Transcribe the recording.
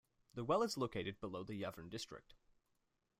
The well is located below the Yaren district.